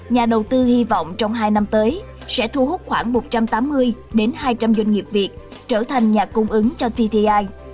nhà đầu tư hy vọng trong hai năm tới sẽ thu hút khoảng một trăm tám mươi hai trăm linh doanh nghiệp việt trở thành nhà cung ứng cho tti